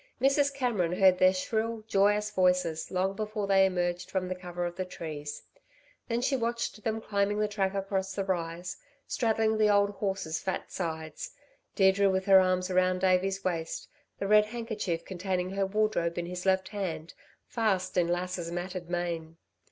Mrs. Cameron heard their shrill, joyous voices long before they emerged from the cover of the trees; then she watched them climbing the track across the rise, straddling the old horse's fat sides, Deirdre with her arms round Davey's waist, the red handkerchief containing her wardrobe in his left hand, fast in Lass's matted mane.